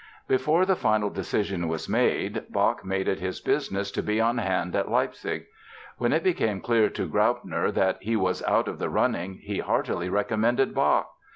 Before the final decision was made, Bach made it his business to be on hand at Leipzig. When it became clear to Graupner that he was out of the running he heartily recommended Bach.